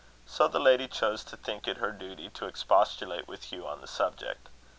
So the lady chose to think it her duty to expostulate with Hugh on the subject.